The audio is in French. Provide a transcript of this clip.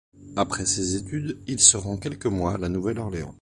Après ses études, il se rend quelques mois à la Nouvelle-Orléans.